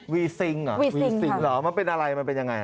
วีซิงเหรอมันเป็นอะไรมันเป็นยังไง